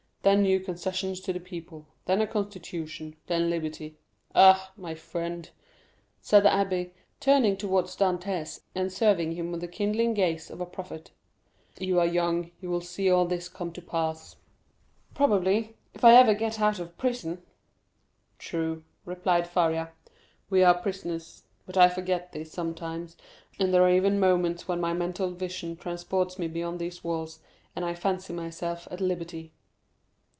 Then new concessions to the people, then a constitution, then liberty. Ah, my friend!" said the abbé, turning towards Dantès, and surveying him with the kindling gaze of a prophet, "you are young, you will see all this come to pass." "Probably, if ever I get out of prison!" "True," replied Faria, "we are prisoners; but I forget this sometimes, and there are even moments when my mental vision transports me beyond these walls, and I fancy myself at liberty."